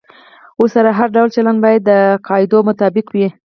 ورسره هر ډول چلند باید د قاعدو مطابق وي.